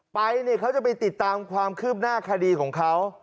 ไปเนี่ยเขาจะไปติดตามความคืบหน้าคดีของเขา